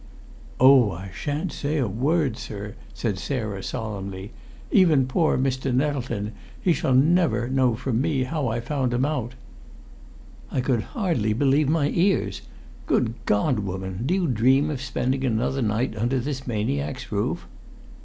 "Oh! I shan't say a word, sir," said Sarah, solemnly. "Even pore Mr. Nettleton, he shall never know from me how I found him out!" I could hardly believe my ears. "Good God, woman! Do you dream of spending another night under this maniac's roof?"